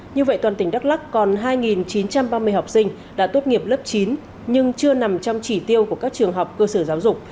như vậy toàn tỉnh đắk lắc còn hai chín trăm ba mươi học sinh đã tốt nghiệp lớp chín nhưng chưa nằm trong chỉ tiêu của các trường học cơ sở giáo dục